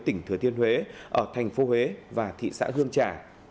tỉnh thừa thiên huế ở thành phố huế và thị xã hương trà